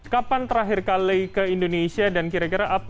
kapan terakhir kali ke indonesia dan kira kira apa yang mau dilakukan